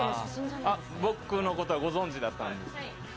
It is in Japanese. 僕のことはご存じだったんですか。